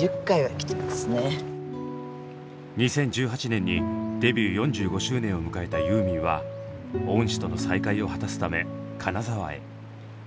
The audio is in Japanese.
２０１８年にデビュー４５周年を迎えたユーミンは恩師との再会を果たすため金沢へ。